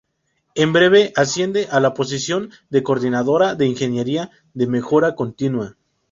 En breve asciende a la posición de coordinadora de ingeniería de mejora continua.